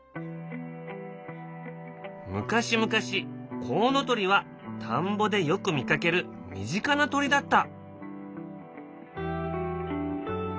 昔々コウノトリは田んぼでよく見かける身近な鳥だった。